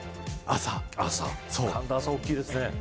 寒暖差、大きいですね。